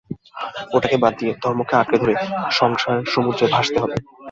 ওটাকে বাদ দিয়ে ধর্মকে আঁকড়ে ধরে সংসারসমুদ্রে ভাসতে হবে।